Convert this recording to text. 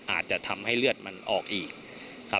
อาจจะทำให้เลือดออกอีก